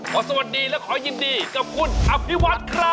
สวัสดีและขอยินดีกับคุณอภิวัฒน์ครับ